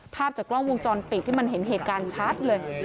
ภาพจากกล้องวงจรปิดที่มันเห็นเหตุการณ์ชัดเลย